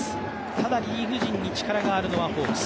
ただリリーフ陣に力があるのはホークス。